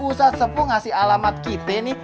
usah sepuh ngasih alamat kita nih